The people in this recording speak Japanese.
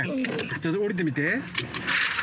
ちょっと降りてみて。